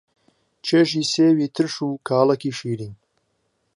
چێژی سێوی ترش و کاڵەکی شیرین